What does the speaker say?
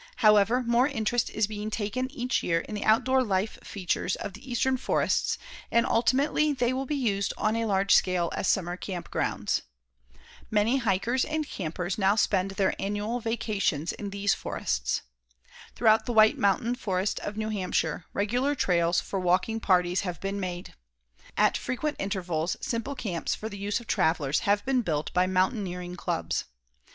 However, more interest is being taken each year in the outdoor life features of the eastern forests, and ultimately they will be used on a large scale as summer camp grounds. Many hikers and campers now spend their annual vacations in these forests. Throughout the White Mountain forest of New Hampshire, regular trails for walking parties have been made. At frequent intervals simple camps for the use of travelers have been built by mountaineering clubs.